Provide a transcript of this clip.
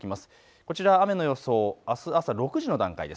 こちら雨の予想、あす朝６時の段階です。